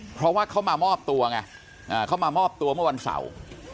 เพราะว่าเขามามอบตัวไงเขามามอบตัวเมื่อวันเสาร์